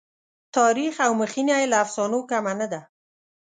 تاریخ او مخینه یې له افسانو کمه نه ده.